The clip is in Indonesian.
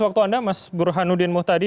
waktu anda mas burhanuddin muhtadi